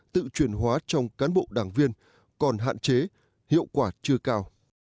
tự truyền hóa trong cán bộ đảng viên còn hạn chế hiệu quả chưa cao